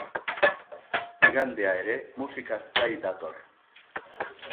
Igandea ere musikaz blai dator.